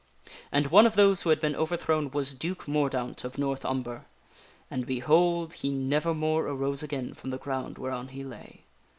And one of those who had been overthrown was Duke Mordaunt of North Umber. And, behold! he never more arose again from the ground whereon he lay.